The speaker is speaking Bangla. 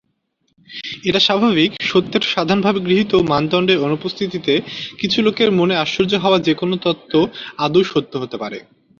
এটা স্বাভাবিক, সত্যের সাধারণভাবে গৃহীত মানদণ্ডের অনুপস্থিতিতে, কিছু লোকের মনে আশ্চর্য হওয়া যে কোনো তত্ত্ব আদৌ সত্য হতে পারে।